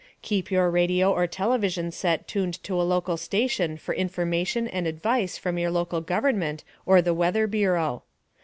Keep your radio or television set tuned to a local station for information and advice from your local government or the Weather Bureau.